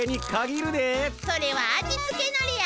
それは味つけのりや。